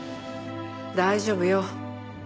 大丈夫よ。